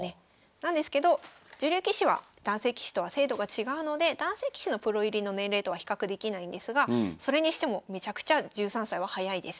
なんですけど女流棋士は男性棋士とは制度が違うので男性棋士のプロ入りの年齢とは比較できないんですがそれにしてもめちゃくちゃ１３歳は早いです。